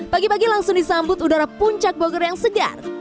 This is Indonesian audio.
pagi pagi langsung disambut udara puncak bogor yang segar